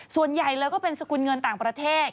ส่วนใหญ่เลยก็เป็นสกุลเงินต่างประเทศ